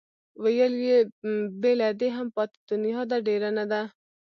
ویل یې بې له دې هم پاتې دنیا ده ډېره نه ده.